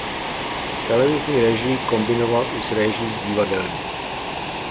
Televizní režii kombinoval i s režií divadelní.